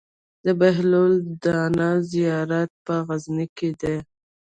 د بهلول دانا زيارت په غزنی کی دی